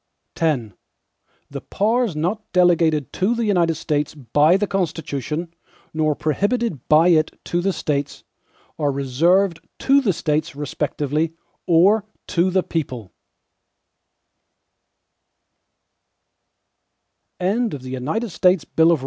X The powers not delegated to the United States by the Constitution, nor prohibited by it to the States, are reserved to the States respectively, or to the people.